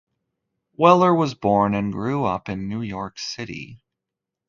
Weller was born and grew up in New York City.